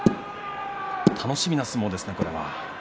楽しみな相撲ですね、これは。